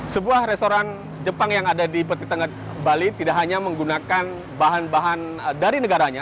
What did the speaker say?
sebuah restoran jepang yang ada di peti tengah bali tidak hanya menggunakan bahan bahan dari negaranya